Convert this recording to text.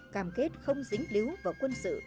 cảm kết không dính líu vào quân sự